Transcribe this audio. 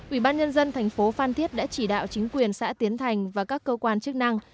ủy ban nhân dân thành phố phan thiết đã chỉ đạo chính quyền xã tiến thành và các cơ quan chức năng